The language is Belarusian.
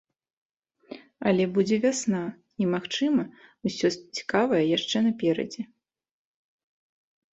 Але будзе вясна, і, магчыма, усё цікавае яшчэ наперадзе.